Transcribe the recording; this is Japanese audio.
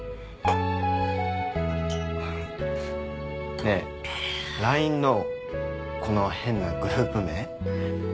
ねえＬＩＮＥのこの変なグループ名何？